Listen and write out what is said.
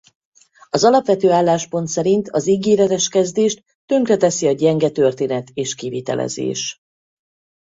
Az alapvető álláspont szerint az ígéretes kezdést tönkreteszi a gyenge történet és kivitelezés.